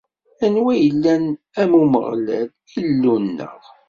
Anwa i yellan am Umeɣlal, Illu-nneɣ?